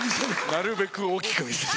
なるべく大きく見せる。